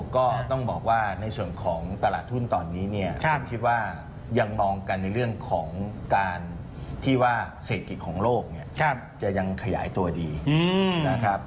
ก็ต้องบอกว่าในส่วนของตลาดทุนตอนนี้เนี่ยผมคิดว่ายังมองกันในเรื่องของการที่ว่าเศรษฐกิจของโลกเนี่ยจะยังขยายตัวดีนะครับ